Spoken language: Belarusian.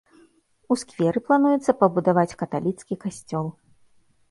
У скверы плануецца пабудаваць каталіцкі касцёл.